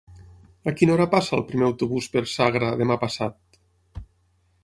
A quina hora passa el primer autobús per Sagra demà passat?